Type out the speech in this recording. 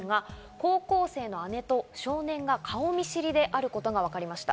高校生の姉と少年が顔見知りであることがわかりました。